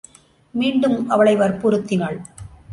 மீண்டும் அவனை வற்புறுத்தினாள்.